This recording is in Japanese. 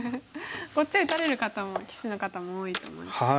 こっち打たれる方も棋士の方も多いと思います。